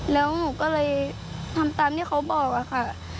แล้วหนูก็เลยทำตามที่เขาบอกค่ะ